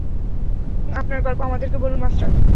আপনার গল্প আমাদেরকে বলুন, মাস্টার।